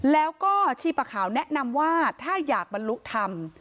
แล้วก็ชีปะขาวแนะนำว่าถ้าอยากบรรลุธรรม